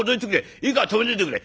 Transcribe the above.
いいから止めねえでくれ！